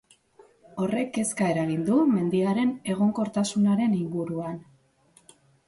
Horrek kezka eragin du mendiaren egonkortasunaren inguruan.